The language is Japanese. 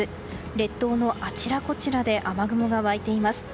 列島のあちらこちらで雨雲が湧いています。